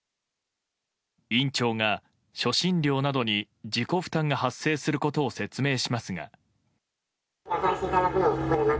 院長が、初診料などに自己負担が発生することを説明しますが。